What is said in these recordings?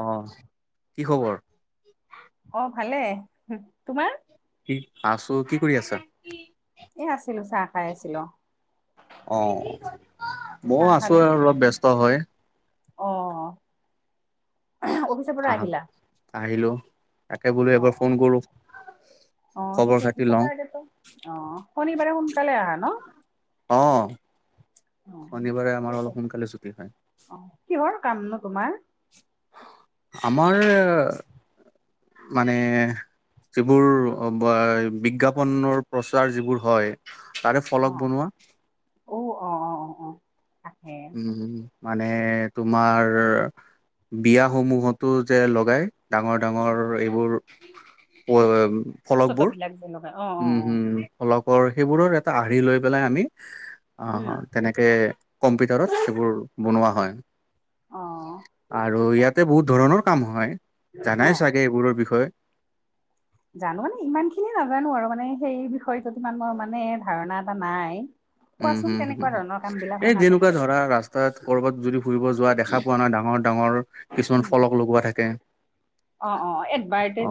অ, কি খবৰ? অ, ভালে। তোমাৰ? কি আছো। কি কৰি আছা? এই আছিলো, চাহ খাই আছিলো। অ, ময়ো চাহ আছো খালো আৰু অলপ ব্যস্ত হয়। অ, অফিচৰ পৰা আহ আহিলা? আহিলো, তাকে বোলো অ এবাৰ অ ফোন কৰো। অ, খবৰ ঠিকে আছে, খাতি লওঁ [inaudible] অ, শনিবাৰে সোনকালে আহা ন? অ, অ শনিবাৰে ঠিকে আমাৰ আছে অলপ সোনকালে ছুটি হয়। অ, কিহৰ কামনো তোমাৰ? আমাৰ মানে যিবোৰ ব, বিজ্ঞাপনৰ প্ৰচাৰ যিবোৰ হয়। তাৰে ফলক বনোৱা। অও, অ, অ, অ, অ, তাকে। উম মানে তোমাৰ, বিয়া সমূহতো যে, লগাই। ডাঙৰ ডাঙৰ এইবোৰ, প চত, বিলাক। যে লগাই অ অ উম, অ উম, ফলকৰ সেইবোৰৰ এটা আৰহি লৈ পেলাই আমি, অ, উম অ, তেনেকে তাকে, কম্পিউটাৰত সেইবোৰ বনোৱা হয়। অ আৰু ইয়াতে বহুত ধৰণৰ কাম হয়। অ জানাই চাগে এইবোৰৰ বিষয়ে? জানো মানে, ইমান খিনিয়ে নাজানো আৰু মানে সেই বিষয়টোত ইমান মোৰ মানে ধাৰণা এটা নাই। উম, কোৱাচোন উম, কেনেকুৱা হুম। ধৰণৰ কাম বিলাক হয় এই নাজানো যেনেকুৱা বাৰু ধৰা, ৰাস্তাত কৰ'বাত যদি ফুৰিব যোৱা দেখা পোৱা ন, ডাঙৰ ডাঙৰ কিছুমান উম ফলক লগোৱা থাকে। অ, অ,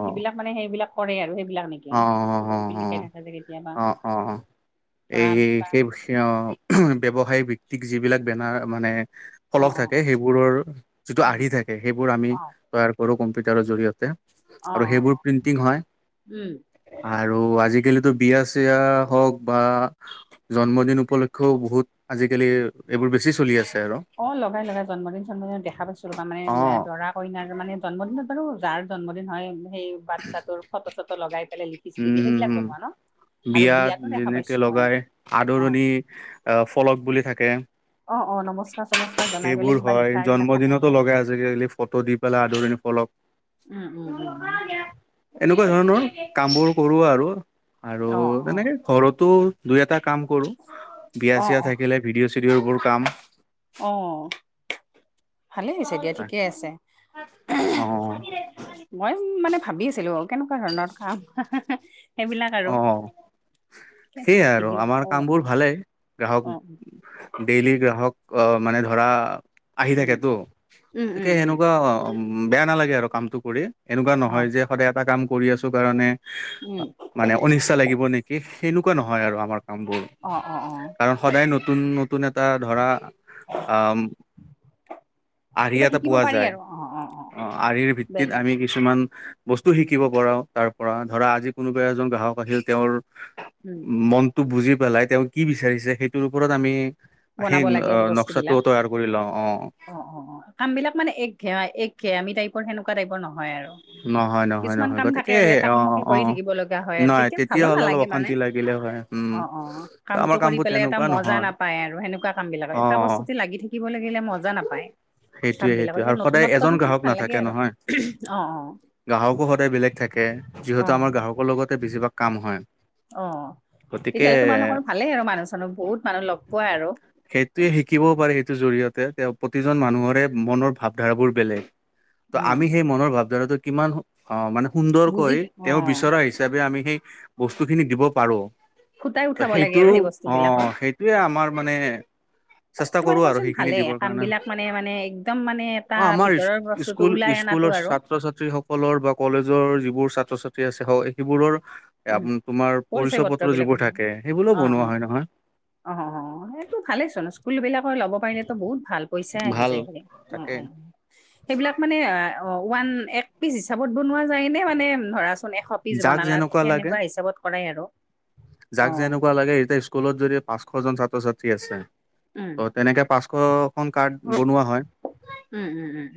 অ যিবিলাক মানে সেইবিলাক কৰে, আৰু সেইবিলাক নেকি? অ অ অ কিবা-কিবি লিখে ন, আজি কেতিয়াবা। অ অ অ ধৰা এই, আমি কিবা সেই, অ, ব্যৱসায় ভিত্তিক যিবিলাক বেনাৰ মানে অ ফলক অ থাকে অ সেইবোৰৰ যিটো উম, আৰ্হি থাকে সেইবোৰ আমি অ তৈয়াৰ কৰো কম্পিটাৰ অ অ আৰু সেইবোৰ অ প্ৰিন্টিং হয়। উম আৰু আজিকালিতো বিয়া চিয়া হওক বা জন্মদিন উপলক্ষেও বহুত আজিকালি এইবোৰ বেছি চলি আছে আৰু। অ, লগাই লগাই জন্মদিন জন্মদিন দেখা পাইছো ৰবা মানে অ এ দৰা কইনাৰ মানে জন্মদিনত আৰু যাৰ জন্মদিন হয় সেই বাচ্ছাটোৰ ফটো চটো লগাই পেলাই লিখি উম চিখি দিয়ে হম সেইবিলাক হম বনোৱা ন আৰু বিয়াত বিয়াতো দেখা যেনেকে পাইছো মই লগাই অ আদৰণি আহ ফলক বুলি থাকে। অ, অ নমস্কাৰ-চমস্কাৰ জনাই সেইবোৰ গলে কিবা হয় লিখা এইবিলাক থাকে জন্মদিনতো নহয়। লগাই আজিকালি ফটো দি পেলাই আদৰণিৰ ফলক। উম উম উম উম এনেকুৱা ধৰণৰ কামবোৰ কৰোঁ আৰু আৰু অ অ তেনেকে ঘৰতো দুই এটা কাম কৰোঁ বিয়া অ চিয়া অ থাকিলে ভিডিঅ' চিডিঅ'বোৰ কাম। অ। ভালেই হৈছে দিয়া ঠিকেই আছে। মই মানে ভাবি আছিলো কেনেকুৱা ধৰণৰ কাম। সেইবিলাক আৰু অ, ঠিকে আছে দে সেইয়াই আৰু ভিডিঅ' আমাৰ অ অ কামবোৰ ভালেই গ্ৰাহক অ ডেইলি গ্ৰাহক আহ মানে ধৰা আহি উম থাকেতো উম উম গতিকে উম সেনেকুৱা বেয়া নালাগে আৰু কামটো কৰি এনেকুৱা অ নহয় যে সদায় এটা কাম কৰি আছো কাৰণে উম মানে অনিচ্ছা লাগিব নেকি সেনেকুৱা নহয় আৰু আমাৰ কামবোৰ অ অ অ কাৰণ সদায় নতুন নতুন এটা ধৰা আহি কিবা এটা শিকিব পোৱা পাৰি যায় আৰু অ অ আহিৰ ভিত্তিত বেলেগ আমি কি কিছুমান বস্তু শিকিব পাও তাৰ পৰা ধৰা আজি কোনোবা এজন গ্ৰাহক আছিল তেওঁৰ উম মনটো বুজি পেলাই তেওঁ কি বিচাৰিছে সেইটোৰ ওপৰত আমি আহ হেই বনাব লাগে আৰু বস্তু নক্সাটো বিলাক তৈয়াৰ কৰি লওঁ অ অ অ কাম বিলাক মানে এক ঘেৱা এক ঘে টাইপৰ সেনেকুৱা টাইপৰ নহয় আৰু নহয় নহয় কিছুমান নহয় কাম থাকে গতিকে আৰু এটা অ কামকে অ অ' কৰি থাকিব লগা হয় আৰু নাই তেতিয়া ভালো তেতিয়াহ'লে অলপ নালাগে মানে অশান্তি লাগিলে হয় উম অ অ কামটো আমাৰ কৰি কামবোৰ পেলাই এটা তেনেকুৱা মজা নহয় নাপায় আৰু আৰু সেনেকুৱা কাম বিলাক অ এটা বস্তুতে লাগি থাকিব লাগিলে মজা নাপায় কাম সেইটোয়ে সেইটোয়ে বিলাকক আৰু সদায় নতুনত্ব এজন থাকিলে গ্ৰাহক ভাল লাগে নাথাকে আৰু নহয় অ অ গ্ৰাহকো সদায় বেলেগ থাকে অ অ যিহেতু আমাৰ গ্ৰাহকৰ লগতে বেছিভাগ কাম হয় অ গতিকে তেতিয়াহ'লে তোমালোকৰ ভালেই আৰু মানুহ চানুহ বহুত মানুহ লগ পোৱাই আৰু সেইটোৱে শিকিবও পাৰে সেইটোৰ জৰিয়তে তেওঁ প্ৰতিজন মানুহৰে মনৰ ভাৱধাৰাবোৰ বেলেগ ত উম আমি সেই মনৰ ভাৱধাৰাটো কিমান অ মানে বুজি সুন্দৰকৈ অ তেওঁ বিচৰা আহিছে হিচাপে আমি সেই বস্তু খিনি দিব পাৰো ফুটাই উঠাব লাগে সেইটো আৰু সেই বস্তু অ বিলাকত সেই এইটো আমাৰ মানে চেষ্টা কৰো তোমালোকৰ আৰু চোন সেইখিনি ভালেই দিবৰ কাম কাৰণে বিলাক মানে মানে একদম মানে এটা অ আমাৰ ভিতৰৰ বস্তুটো স্কুল ওলাই অনাটো স্কুলৰ আৰু ছাত্ৰ ছাত্ৰী সকলৰ বা কলেজৰ যিবোৰ ছাত্ৰ ছাত্ৰী আছে ও সেইবোৰৰ উম তোমাৰ পৰিচয় পত্ৰ যিবোৰ থাকে সেইবোৰক অ অ বনোৱা হয় নহয় অ সেইটো ভালে চোন স্কুল বিলাকৰ ল'ব পাৰিলেতো বহুত ভাল পইচা আহি ভাল যায় হে অঁ তাকে অঁ অঁ সেইবিলাক মানে ওৱান এক পিচ হিচাপত বনোৱা যায় নে মানে ধৰাচোন এশ পিচ যাক বনালাত যেনেকুৱা লাগে সেনেকুৱা হিচাপত কৰাই আৰু যাক অঁ যেনেকুৱা লাগে এতিয়া স্কুলত যদি পাঁচশ জন ছাত্ৰ ছাত্ৰী আছে উম ত তেনেকে পাঁচশ খন কাৰ্ড বনোৱা হয়, উম উম উম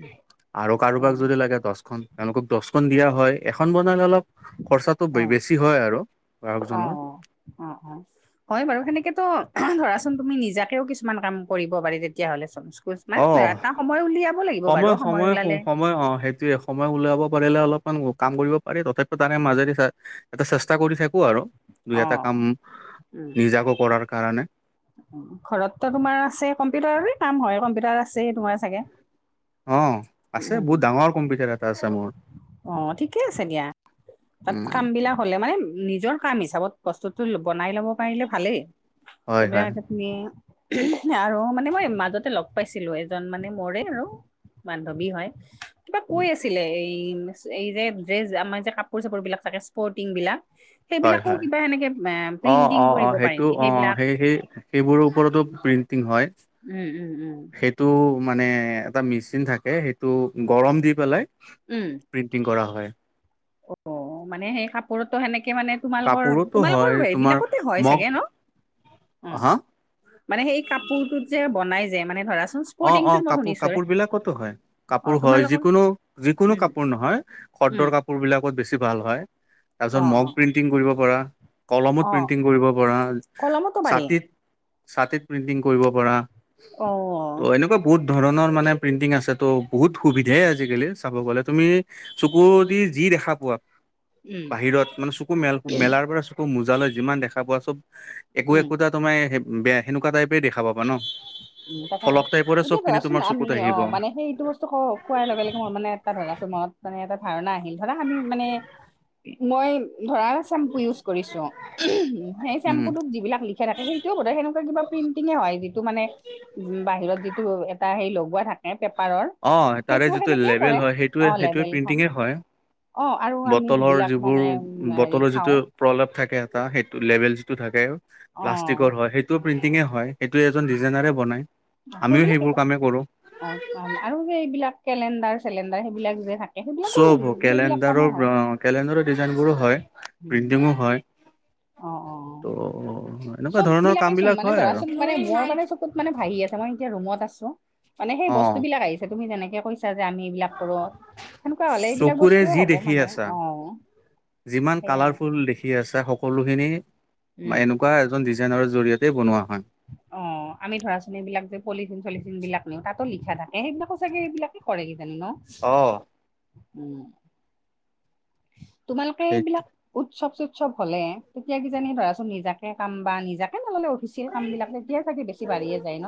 আৰু কাৰোবাক উম যদি লাগে দচখন। তেওঁলোকক দচখন দিয়া হয়, এখন বনালে অলপ খৰচাটো অ অ বেছি হয় আৰু অ গ্ৰাহকজনৰ। অ অ। হয় বাৰু সেনেকেতো ধৰাচোন তুমি নিজাকেও কিছুমান কাম কৰিব পাৰি তেতিয়া হলেচোন।। কোচ মাছ অ নয় এটা সময় উলিয়াব লাগিব বাৰু সময় ওলালে মই অ সেইটোৱে। সময় উলিয়াব পাৰিলে অলপমান কাম কৰিব পাৰি, তথাপিও তাৰে মাজেদি চা এটা চেষ্টা কৰি থাকোঁ আৰু। দুই অ এটা কাম উম নিজাকৈ কৰাৰ কাৰণে। ঘৰততো তোমাৰ আছে, কম্পিউটাৰৰে কাম হয় কম্পিউটাৰ আছে তোমাৰ চাগে। অ আছে উম বহুত ডাঙৰ কম্পিউটাৰ এ অ ঠিকে আছে দিয়া, তাত উম কামবিলাক হলে মানে নিজৰ কাম হিচাপত বস্তুটো বনাই ল'ব পাৰিলে ভালেই, হয় সেইবিলাক হয় এতিয়া মে [unintelligible] আৰু মানে মই মাজতে লগ পাইছিলো এজন মানে মৰে আৰু বান্ধৱী হয় কিবা কৈ আছ এই এই যে ড্ৰেছ আমাৰ যে কাপোৰ চাপোৰবিলাক থাকে স্পৰ্টিং বিলাক। হয় সেইবিলাকো হয় কিবা এনেকে অ অ প্ৰিণ্টিং অ অ কৰিব পাৰে সেইটো নেকি অ সেইবিলাক সেই সেইবোৰৰ ওপৰতো প্ৰিণ্টিং হয়। উম উম উম। সেইটো মানে এটা মেচিন থাকে সেইটো গৰম দি পেলাই উম। প্ৰিণ্টিং কৰা হয়। [inaudible] অ মানে সেই কাপোৰততো সেনেকে মানে তোমালোকৰ কাপোৰতো তোমালোকৰ হয় তোমাৰ এইবিলাকতে হয় মগ চাগে ন? অ হা? মানে সেই কাপোৰটোত যে বনাই যে মানে ধৰাচোন অ অ স্পৰ্টিংটোত মই কাপোৰ শুনিছো আৰু কাপোৰ বিলাকতো হয়। অ কাপোৰ হয় তোমালোকৰ যিকোনো যিকোনো উম কাপোৰ নহয় উম শদ্দৰ কাপোৰবিলাক কট বেছি ভাল হয়, তাৰপিছত অ মগ অ অ প্ৰিন্টিং কৰিব পৰা, কলমত অ প্ৰিন্টিং কৰিব পৰা। কলমতো পাৰি। ছাতিত ছাতিত প্ৰিণ্টিং কৰিব পৰা। অ। ত' এনেকুৱা বহুত ধৰণৰ মানে প্ৰিণ্টিং আছে ত' বহুত সুবিধাই উম আজিকালি। চাব গলে, তুমি চকু দি যি দেখা পোৱা উম বাহিৰত মানে চ কু মেল মেলাৰ পৰা চকু মোজা লৈ যিমান দেখা পোৱা চব একো উম একোতাত তোমাৰ সে বেয়া সেনেকুৱা টাইপে দেখা পাবা ন। উম তাকে ফলক তাকে, টাইপৰে এতিয়া চবখিনি ধৰাচোন তোমাৰ আমি চকুত অ আহিব। মানে সেই এইটো বস্তু কও। খোৱাৰ লগে লগে মোৰ মানে এটা ধৰাচোন মনত মানে এটা ধাৰণা আহিল ধৰা আমি মানে মই ধৰা চেম্পু ইউজ কৰিছো উহুম, সেই চেম্পুতোক যিবিলাক লি খা থাকে সেইটো বোধ হয় সেনেকুৱা কিবা প্ৰিণটিঙে হয় যিটো মানে উম বাহিৰত যিটো এটা হেৰি লগোৱা থাক এ পেপাৰৰ, অ' তাৰে সেইটো যিটো সেনেকেই লেবেল কৰে হয় সেইটোৱে অ সেইটোৱে লেভেলখন। প্ৰিণ্টিঙে হয়। অ আৰু আমি বটলৰ যিবিলাক যিবোৰ মানে উম হেৰি বটলৰ যিটো খাওঁ। প্ৰলেপ থাকে এটা সেইটো লেভেল যিটো থাকে অ প্লাষ্টিকৰ হয় সেই সেইটো প্ৰিণ্টিঙে হয় সেইটো এজন ডিজাইনাৰে বনায়। অ সেইবিলাকেই ক, অ আৰু যে এইবিলাক কেলেণ্ডাৰ চিলিণ্ডাৰ সেইবিলাক যে থাকে, সেইবিলাকো চব সেইবিলাক কেলেণ্ডাৰৰ কামো হয়। কেলেণ্ডাৰৰ ডিজাইনবোৰো হয়, উম। প্ৰিণ্টিঙো হয়, অ অ ত' এনেকুৱা চব ধৰণৰ বিলাকেই চোন কামবিলাক মানে হয় আৰু। ধৰাচোন মানে মোৰ মানে চকুত মানে ভাহি আছে, মই এতিয়া ৰুমত আছো। মানে সেই অ'। বস্তুবিলাক আহি চে তুমি তেনেকে কৈছা যে আমি এইবিলাক কৰো সেনেকুৱা হ'লে এইবিলাক চকুৰে বস্তুও যি হ'ব দেখি মানে আছা অ সেইয়াই। কি আছে সকলোখিনি উম। এনেকুৱা এজন ডিজাইনৰ জৰিয়তেই বনোৱা হয়। অ আমি ধৰাচোন এইবিলাক যে পলিথিন-চলিথিন বিলাক নিও তাতো লিখা থাকে সেইবিলাকো চাগে সেইবিলাক কৰে কিজানি ন? অ। উম। তোমালোকে সেই এইবিলাক উৎসৱ-চুৎসৱ হ'লে তেতিয়া কিজানি ধৰাচোন নিজাকে কাম বা নিজাক সে নহ'লে অফিচিয়েল কামবিলাক তেতিয়া চাগে বেছি বাঢ়িয়ে যায় ন?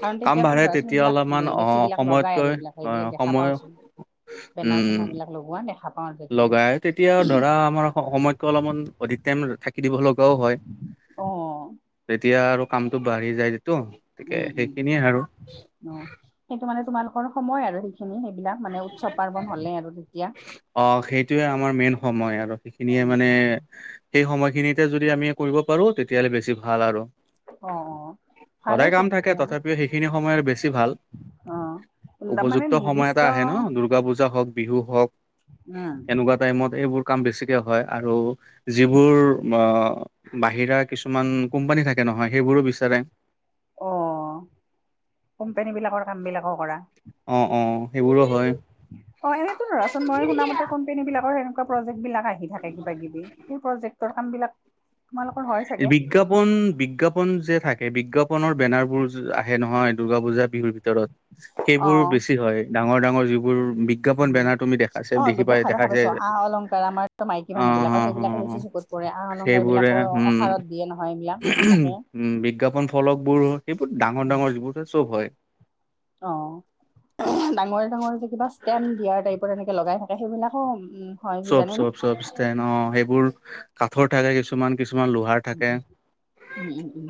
কাৰণ কাম তেতিয়া বাঢ়ে ধৰা তেতিয়া চোনবিলাক অলপমান অ' বেছিবিলাক লগাই আৰু সময়তকৈ এইবিলাক সেইবিলাক অ' দেখা সময় পাওচোন উম, বেনাৰ-চেনাৰবিলাক লগোৱা দেখা পাওঁ তেতিয়া লগাই। তেতিয়া ধৰা আমাৰ সময়কটো অলপমান অধিক টাইম থাকি দিব লগাও হয়। অ। তেতিয়া আৰু কামটো বাঢ়ি যায় যিটো। উম উম উম, অ সেইটো মানে তোমালোকৰ সময় আৰু সে খিনি সেইবিলাক মানে উৎসৱ পাৰ্বন হ'লে আৰু তেতিয়া। অ সেইটোয়ে আমাৰ মেইন সময় আৰু সেইখিনিয়ে উম মানে উম উম। সেই সময়খিনিতে যদি আমি কৰিব পাৰো তেতিয়াহ'লে বেছি ভাল আৰু। অ অ ভালেই সদায় চোন কাম থাকে তেতিয়াহলে তথাপিও সেইখিনি সময় আৰু বেছি ভাল। অ তাৰমানে উপযুক্ত সময় নিৰ্দিষ্ট এটা আহে ন দুৰ্গা পূজা হওঁক, বিহু হওঁক উম এনেকুৱা টাইমত এইবোৰ কাম বেছিকে হয়। আৰু যিবোৰ অ বাহিৰা কিছুমান কোম্পানী থাকে নহয় সেইবোৰো বিচাৰে। অ কোম্পানী বিলাকৰ কাম বিলাকো কৰা। অ অ সেইবোৰো হয়। অ এনেতো ধৰাচোন মই শুন মতে কম্পনী বিলাকৰ সনেকুৱা প্ৰজেক্ট বিলাক আহি থাকে কিবা কিবি। সেই প্ৰজেক্টৰ কাম বিলাক তোমালোকৰ হয় চাগে। বিজ্ঞাপন বিজ্ঞাপন যে থাকে বিজ্ঞাপনৰ বেনাৰবোৰ আহে নহয় দুৰ্গা পূজা বিহুৰ ভিতৰত অ সেইবোৰ বেছি হয়, ডাঙৰ ডাঙৰ যিবোৰ বিগ উ অ গোট দেখা দেখা পাইছো আ অলংকাৰ আমাৰ মাইকী অ মানুহ বিলাকৰ অ সেইবিলাকে অ চকুত কৰে। আহ অলংকাৰ সেইবোৰে বিলাকো উম অফাৰত দিয়ে নহয় এইবিলাক দি থাকে বিজ্ঞাপন ফলকবোৰ সেইবোৰ ডাঙৰ ডাঙৰ যিবোৰ চব হয়। অ। ডাঙৰে ডাঙৰ যে কিবা ষ্টেণ দিয়া টাইপৰ এনেকে লগাই থাকে সেইবিলাকো উম হয় চব কিজানি ন চব চব ষ্টে অ সেইবোৰ কাঠৰ থাকে কিছুমান কিছুমান লোহাৰ উ থাকে। উ উম উম উম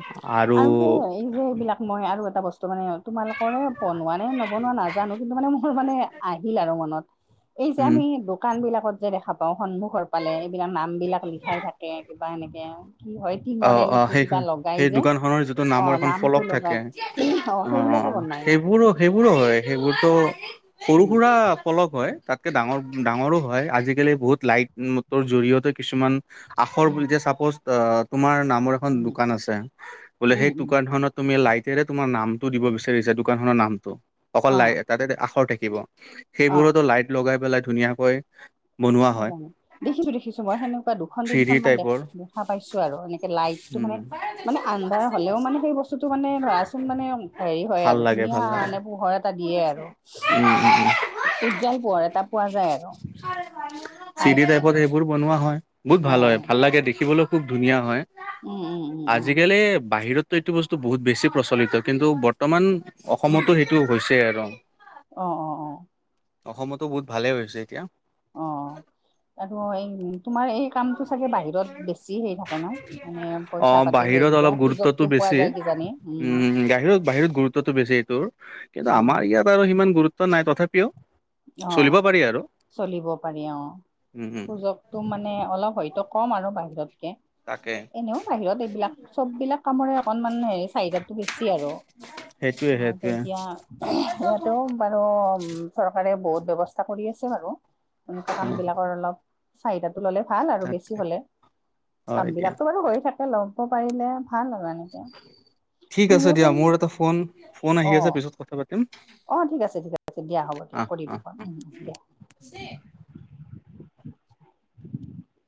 আৰু যে এই যে এইবিলাক মই আৰু এটা বস্তু মানে তোমালোক কৰে বনোৱা নে নবনোৱা নাজানো কিন্তু মানে মোৰ মানে আহিল আৰু মনত। এই যে উম আমি দোকান বিলাকত যে দেখা প সন্মুখৰ পালে এইবিলাক নাম বিলাক লিখাই থাকে কিবা এনেকে কি হয় অ টিঙৰে অ নেকি সেই কিবা লগাই সেই যে দোকানখনৰ যিটো অ নামৰ এখন নামটো ফলপ থাকে লগাই অঁ' অ সেইবিলাকো অঁ' বনাই সেইবোৰো সেইবোৰো হয় সেইবোৰতো সৰু উম সুৰা- ফলক হয়, তাতকে ডাঙৰ ডাঙৰো হয়। আজিকালি বহুত লাইট মটৰ জৰিয়তে কিছুমান- আখৰ উম বুলি যে চাপ'জ তোমাৰ নামৰ এখন উম দোকান আছে বোলে উম সেই উম দোকানখনত- তুমি লাইটেৰে তোমাৰ নামটো দিব বিচাৰিছা দোকানখনৰ নামটো- অকল অ লাই তাতে আখৰ থাকিব। অ সেইবোৰতো লাইট লগাই পেলাই ধুনীয়াকৈ- বনোৱা হয় জানে, দেখিছোঁ দেখিছোঁ মই সেনেকুৱা দুখন থ্ৰী ডি তিনিখন মান দে টাইপৰ দে দেখা পাইছোঁ আৰু এনেকে লাইটটো মানে উম মানে আন্ধাৰ হ'লেও মানে সেই বস্তুটো মানে ধৰাচোন মানে- হেৰি হয় ভাল আৰু লাগে ধুনীয়া ভাল লাগে মানে পোহৰ এটা দিয়ে আৰু। উম উম উম উজ্জ্বল পোহৰ এটা পোৱা যায় আৰু। চিৰি পাইছো টাইপত সেইবোৰ বনোৱা হয় বহুত অ ভাল হয় ভাল লাগে দেখিবলৈও খুব ধুনীয়া হয়। উমঁ' উমঁ'। আজিকালি বাহিৰততো এইটো বস্তু বহুত বেছি প্ৰচলিত কিন্তু বৰ্তমান অসমতো সেই টো হৈছে আৰু। অঁ' অঁ' অঁ'। অসমতো বহুত ভালেই হৈছে এতিয়া। অঁ' আৰু এই তোমাৰ এই কামটো চাগে বাহিৰত বেছি সেই থা অঁ' বাহিৰত অলপ সুযোগটো গুৰুত্বটো পোৱা বেছি। যায় কিজানি উম উমঁ' বাহিৰত বাহিৰত গু ৰুত্বটো বেছি এইটোৰ। কিন্তু উম উম আমাৰ ইয়াত আৰু সিমান গুৰুত্ব নাই তথাপিও- চলিব পাৰি আৰু অঁ' চলিব পাৰি অঁ' উম, উম। সুযক টো মানে অলপ হয়তো কম আৰু বাহিৰতকে। তাকে এনেও বাহিৰত এইবিলাক চ'ব বিলাক কামৰে অকনমান হে চাহিদাটো বেছি আৰু। সেইটোৱে সেইটোৱে। ইয়াতো বাৰু চৰকাৰে বহুত ব্যৱস্থা কৰি আছে বাৰু। এনেকুৱা অ' কামবিলাকৰ অলপ- চাহিদাটো ল'লে ভাল আৰু তাক বেছি হ'লে। হয় কাম দিয়া বিলাকতো বাৰু হৈয়ে থাকে লম। পাৰিলে ভাল আৰু [unintelligible] ঠিক আছে দিয়া, তুমিওচোন মোৰ এটা ফোন-ফোন আহি আছে পিছত কথা পাতিম। অঁ' ঠিক আছে ঠিক আছে দিয়া হ'ব দিয়া আহ, আহ। কৰিবা ফোন উমঁ' উমঁ' দিয়া। [unintelligible]